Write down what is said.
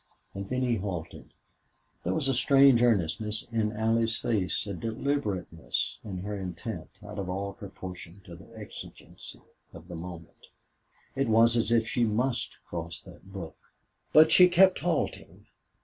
And then he halted. There was a strange earnestness in Allie's face a deliberateness in her intent, out of all proportion to the exigency of the moment. It was as if she must cross that brook. But she kept halting.